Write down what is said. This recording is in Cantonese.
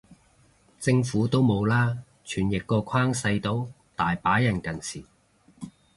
政府都冇啦，傳譯個框細到，大把人近視